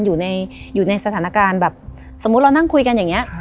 อยู่ในสถานการณ์แบบสมมุติเรานั่งคุยกันอย่างนี้